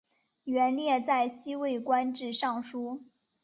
元烈在西魏官至尚书。